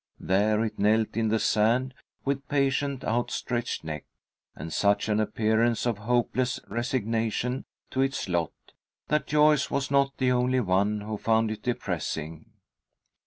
There it knelt in the sand, with patient outstretched neck, and such an appearance of hopeless resignation to its lot, that Joyce was not the only one who found it depressing.